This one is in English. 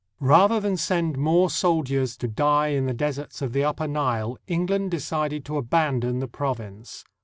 Rather than send more soldiers to die in the deserts of the Upper Nile, England decided to abandon the province.